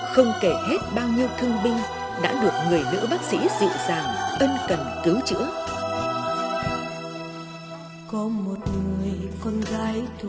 không kể hết bao nhiêu thương binh đã được người nữ bác sĩ dị dàng ân cần cứu chữa